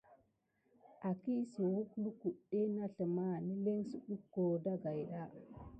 Akisuwək lukuɗɗe na sləma nilin suduho dagida.